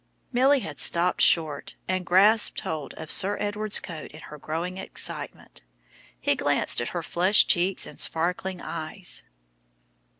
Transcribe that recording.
Milly had stopped short, and grasped hold of Sir Edward's coat in her growing excitement. He glanced at her flushed cheeks and sparkling eyes.